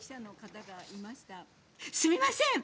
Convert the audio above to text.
すみません。